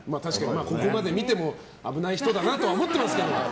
ここまで見ても危ない人だなとは思ってますけど。